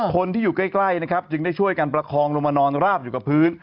คนที่อยู่ใกล้นะครับจึงได้ช่วยกันประคองลงมานอนราบอยู่กับพื้น